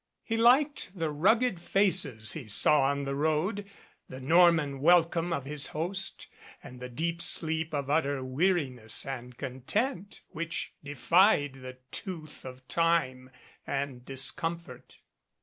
He liked the rugged faces he saw on 101 MADCAP the road, the Norman welcome of his host and the deep sleep of utter weariness and content which defied the tooth of time and discomfort.